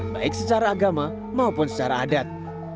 baik secara agama maupun secara adat